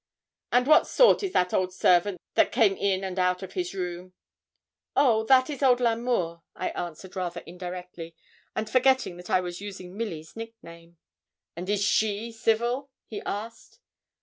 'And what sort is that old servant that came in and out of his room?' 'Oh, that is old L'Amour,' I answered, rather indirectly, and forgetting that I was using Milly's nickname. 'And is she civil?' he asked.